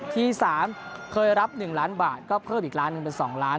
ที่๓เคยรับ๑ล้านบาทก็เพิ่มอีกล้านหนึ่งเป็น๒ล้าน